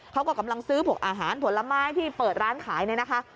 เขาก็กำลังซื้อพวกอาหารผลไม้ที่เปิดร้านขายเนี่ยนะคะ